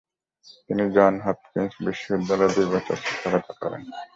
তিনি Johns Hopkins বিশ্ববিদ্যালয় এ দুই বছর শিক্ষকতা করেন।